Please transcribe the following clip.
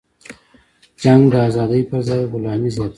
جنگ د ازادۍ پرځای غلامي زیاتوي.